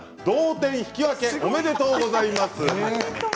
同点、引き分けおめでとうございます。